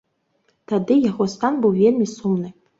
Тады яго стан быў вельмі сумны.